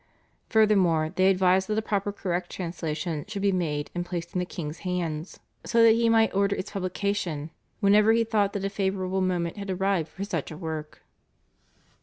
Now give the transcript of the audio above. Furthermore they advised that a proper correct translation should be made and placed in the king's hands, so that he might order its publication whenever he thought that a favourable moment had arrived for such a work.